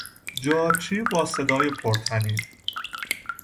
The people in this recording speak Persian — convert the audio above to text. جارچی با صدای پر طنین